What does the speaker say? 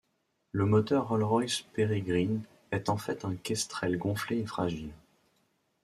Le moteur Rolls-Royce Peregrine est en fait un Kestrel gonflé et fragile.